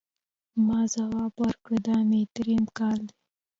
ما ځواب ورکړ، دا مې درېیم کال دی.